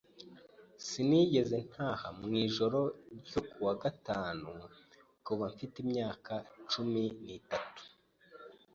Sinigeze ntaha mu ijoro ryo ku wa gatanu kuva mfite imyaka cumi n'itatu.